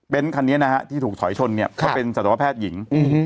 คันนี้นะฮะที่ถูกถอยชนเนี่ยเขาเป็นสัตวแพทย์หญิง